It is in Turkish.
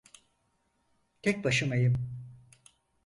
Tek başımayım.